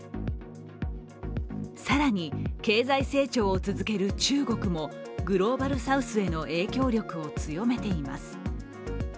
更に経済成長を続ける中国もグローバルサウスへの影響力を強めています。